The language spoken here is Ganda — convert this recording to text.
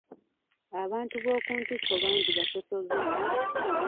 Abantu b'oku ntikko bangi basosoze.